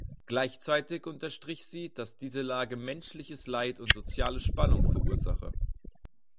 Gleichzeitig unterstrich sie, dass diese Lage menschliches Leid und soziale Spannung verursache.